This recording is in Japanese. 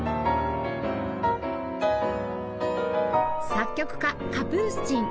作曲家カプースチン